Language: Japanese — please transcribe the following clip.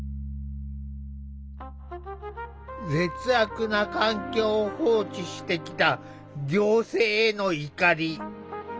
劣悪な環境を放置してきた行政への怒り。